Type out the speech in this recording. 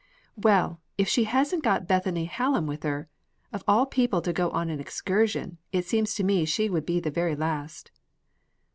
"Well, if she hasn't got Bethany Hallam with her! Of all people to go on an excursion, it seems to me she would be the very last."